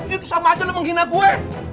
itu sama aja lo yang bikin gue